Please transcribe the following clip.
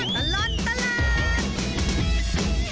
ช่วงตลอดตลาด